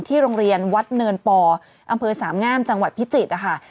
โรงเรียนวัดเนินปออำเภอสามงามจังหวัดพิจิตรนะคะ